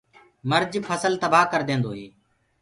مرج ڦسل تبآه ڪرديندو هي۔